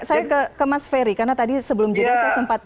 saya ke mas ferry karena tadi sebelum juga saya sempat